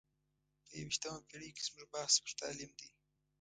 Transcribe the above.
په یو ویشتمه پېړۍ کې زموږ بحث پر تعلیم دی.